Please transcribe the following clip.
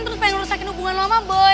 terus pengen ngerusakin hubungan lama boy